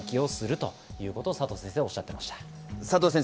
ということを佐藤先生もおっしゃっていました。